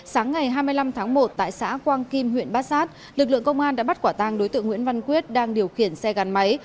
sáng ngày hai mươi năm tháng một tại xã quang kim huyện bát sát lực lượng công an đã bắt quả tang đối tượng nguyễn văn quyết đang điều khiển xe gắn máy